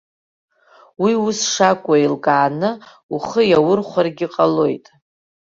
Уи ус шакәу еилкааны ухы иаурхәаргьы ҟалоит.